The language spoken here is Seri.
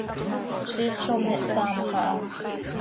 Ziix zo me hsaamx aha.